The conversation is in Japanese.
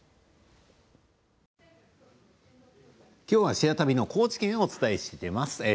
きょうは「シェア旅」の高知県をお伝えしています。